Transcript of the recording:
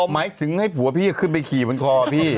หมายถึงให้ผัวพี่ขึ้นไปขี่บนคอพี่